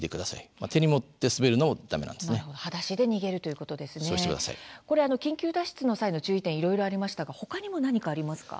これ緊急脱出の際の注意点いろいろありましたがほかにも何かありますか？